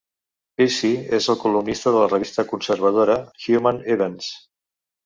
Pearcey és columnista de la revista conservadora "Human Events".